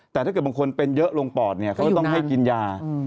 แต่ถ้าเกิดบางคนเป็นเยอะลงปอดเนี่ยเขาก็ต้องให้กินยา